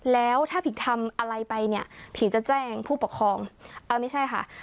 แล้วถ้าผีทำอะไรไปเนี่ยผีจะแจ้งผู้ปกครองอ่าไม่ใช่ค่ะ